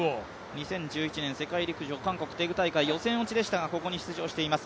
２０１１年世界陸上、韓国テグ大会予選落ちでしたがここに出場しています。